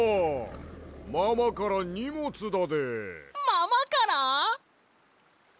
ママから？